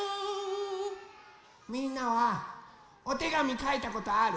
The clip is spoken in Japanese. みんなはおてがみかいたことある？